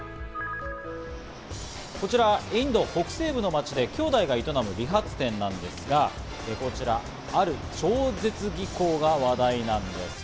こちらインド北西部の街で兄弟が営む理髪店なんですが、こちら、ある超絶技巧が話題なんです。